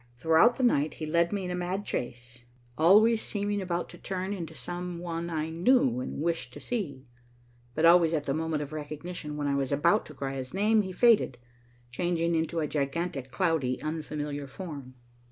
Throughout the night he led me in a mad chase, always seeming about to turn into some one I knew and wished to see, but always at the moment of recognition, when I was about to cry his name, he faded, changing into a gigantic, cloudy, unfamiliar form.